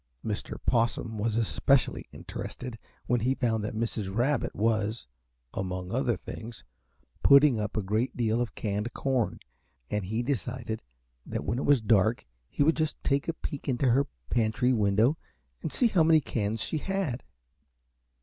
Mr. Possum was especially interested when he found that Mrs. Rabbit was, among other things, putting up a great deal of canned corn, and he decided that when it was dark he would just take a peek into her pantry window and see how many cans she had.